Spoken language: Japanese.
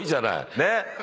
ねっ。